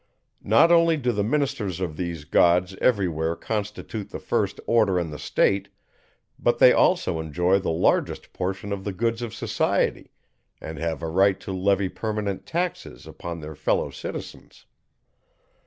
Not only do the ministers of these gods every where constitute the first order in the state, but they also enjoy the largest portion of the goods of society, and have a right to levy permanent taxes upon their fellow citizens.